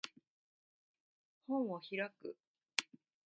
本を開く